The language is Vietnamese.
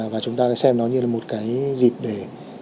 và chúng ta sẽ xem nó như là một cái dịp để